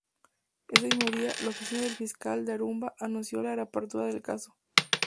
Ese mismo día, la oficina del fiscal de Aruba anunció la reapertura del caso.